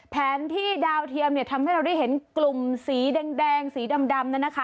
แผนที่ดาวเทียมเนี่ยทำให้เราได้เห็นกลุ่มสีแดงสีดำ